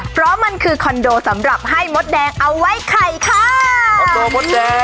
เพราะมันคือคอนโดสำหรับให้มดแดงเอาไว้ไข่ค่ะมดโดมดแดง